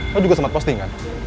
lo juga sempet posting kan